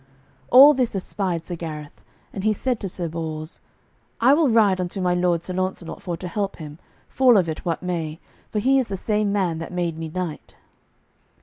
All this espied Sir Gareth, and he said to Sir Bors, "I will ride unto my lord Sir Launcelot for to help him, fall of it what may, for he is the same man that made me knight."